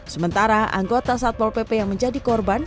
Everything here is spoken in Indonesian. sementara anggota satpol pp yang menjadi korban